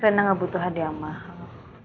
renai gak butuh hadiah mahal